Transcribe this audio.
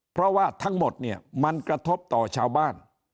เพราะว่าทั้งหมดเนี่ยมันกระทบต่อชาวบ้าน